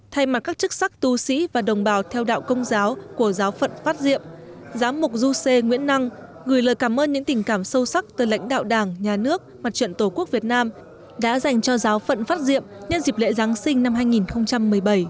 thay mặt các chức sắc tu sĩ và đồng bào theo đạo công giáo của giáo phận phát diệm giám mục du sê nguyễn năng gửi lời cảm ơn những tình cảm sâu sắc tới lãnh đạo đảng nhà nước mặt trận tổ quốc việt nam đã dành cho giáo phận phát diệm nhân dịp lễ giáng sinh năm hai nghìn một mươi bảy